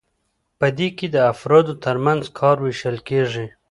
په دې کې د افرادو ترمنځ کار ویشل کیږي.